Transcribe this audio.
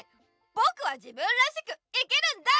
ぼくは自分らしく生きるんだ！